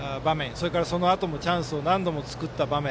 それから、そのあともチャンスを何度も作った場面。